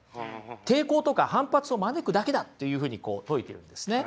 抵抗とか反発を招くだけだというふうに説いてるんですね。